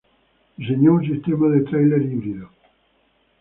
Diseñó un sistema de tráiler híbrido.